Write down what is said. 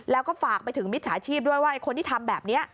แล้วก็ฝากไปถึงมิจฉาชีพด้วยว่าคนที่ทำแบบนี้